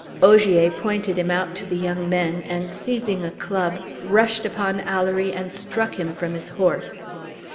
Ogier pointed him out to the young men, and seizing a club, rushed upon Alory and struck him from his horse.